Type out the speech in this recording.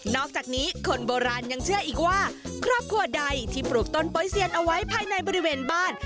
อกจากนี้คนโบราณยังเชื่ออีกว่าครอบครัวใดที่ปลูกต้นโป๊เซียนเอาไว้ภายในบริเวณบ้าน